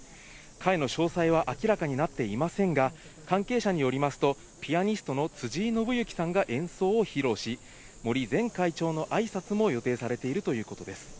会の詳細は明らかになっていませんが、関係者によりますと、ピアニストの辻井伸行さんが演奏を披露し、森前会長のあいさつも予定されているということです。